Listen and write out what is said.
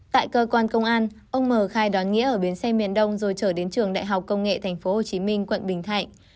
tại cơ quan công an ông mờ khai đón nghĩa ở biến xe miền đông rồi trở đến trường đại học công nghệ tp hcm quận bình thạnh